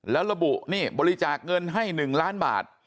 แล้วระบุนี่บริจาคเงินให้๑ล้านบาท